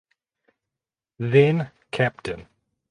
Then Capt.